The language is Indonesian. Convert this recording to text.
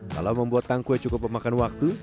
kalau membuat tangkwe cukup memakan waktu